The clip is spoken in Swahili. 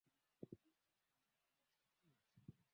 ya mapatano na mikataba na watawala wenyeji malipo na